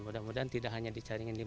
mudah mudahan tidak hanya di caringin v saja